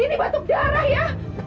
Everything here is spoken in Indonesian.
ini batuk darah ya